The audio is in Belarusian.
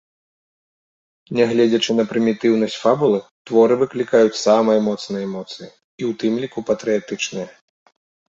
Нягледзячы на прымітыўнасць фабулы, творы выклікаюць самыя моцныя эмоцыі, і ў тым ліку патрыятычныя.